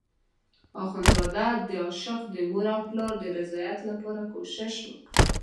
اخندزاده د عاشق د مور او پلار د رضایت لپاره کوشش وکړ.